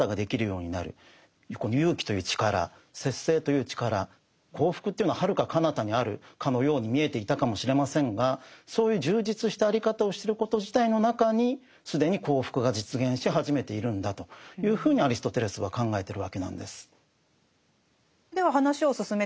そうですね幸福というのははるかかなたにあるかのように見えていたかもしれませんがそういう充実したあり方をしてること自体の中に既に幸福が実現し始めているんだというふうにアリストテレスは考えてるわけなんです。